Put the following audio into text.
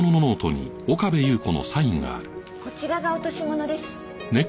こちらが落とし物です。